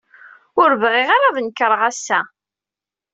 Ur bɣiɣ ara ad nekreɣ ass-a.